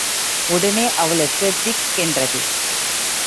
உடனே, அவளுக்குத் திக் கென்றது.